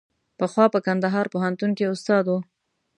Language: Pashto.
پخوا په کندهار پوهنتون کې استاد و.